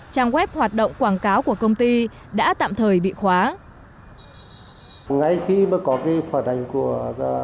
trang web hoạt động quảng cáo của công ty đã tạm thời bị khóa